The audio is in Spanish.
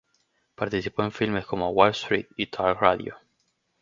Participó en filmes como "Wall Street" y "Talk Radio".